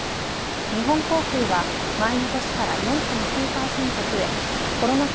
日本航空は前の年から４．９％増えコロナ禍